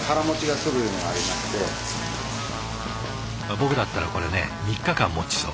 僕だったらこれね３日間もちそう。